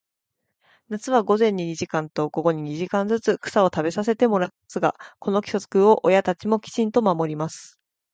夏は午前に二時間と、午後に二時間ずつ、草を食べさせてもらいますが、この規則を親たちもきちんと守ります。